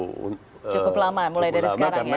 cukup lama mulai dari sekarang ya